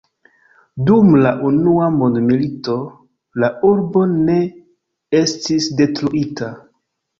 Dum la unua mondmilito la urbo ne estis detruita.